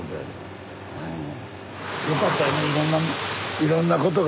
よかったよねいろんなことが。